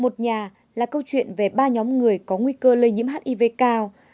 một nhà là câu chuyện về ba nhóm người có nguy cơ lây nhiễm hiv cao